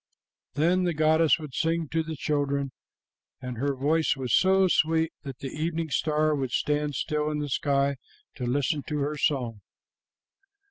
"Then the goddess would sing to the children, and her voice was so sweet that the evening star would stand still in the sky to listen to her song.